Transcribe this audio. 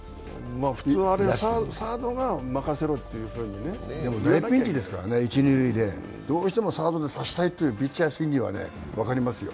普通はサードが任せろっていうふうにね大ピンチですからね、どうしてもサードで刺したいというピッチャー心理は分かりますよ。